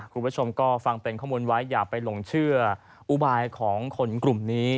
คุณผู้ชมก็ฟังเป็นข้อมูลไว้อย่าไปหลงเชื่ออุบายของคนกลุ่มนี้